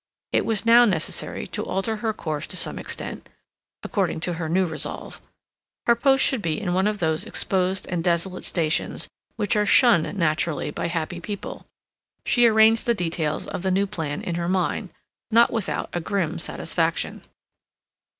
It was now necessary to alter her course to some extent, according to her new resolve. Her post should be in one of those exposed and desolate stations which are shunned naturally by happy people. She arranged the details of the new plan in her mind, not without a grim satisfaction.